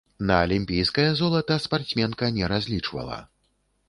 На алімпійскае золата спартсменка не разлічвала.